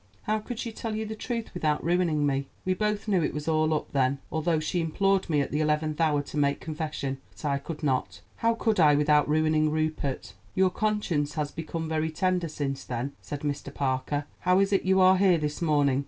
How could she tell you the truth without ruining me? We both knew it was all up then, although she implored me at the eleventh hour to make confession; but I could not—how could I without ruining Rupert?" "You conscience has become very tender since then," said Mr. Parker. "How is it you are here this morning?"